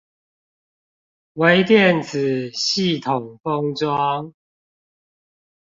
微電子系統封裝